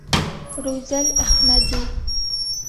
Рүзәл ӘХМӘДИ